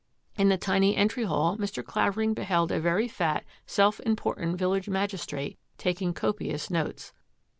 In the tiny entry hall Mr. Clavering beheld a very fat, self important village magistrate taking copious notes.